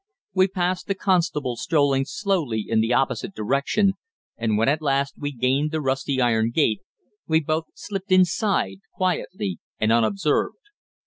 We passed the constable strolling slowly in the opposite direction, and when at last we gained the rusty iron gate we both slipped inside, quietly and unobserved.